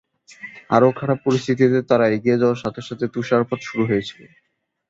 আরও খারাপ, পরিস্থিতিতে তারা এগিয়ে যাওয়ার সাথে সাথে তুষারপাত শুরু হয়েছিল।